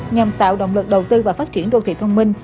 nhằm tạo động lực đầu tư và phát triển đô thị thông minh